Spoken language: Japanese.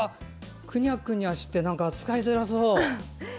くにゃくにゃして扱いづらそう。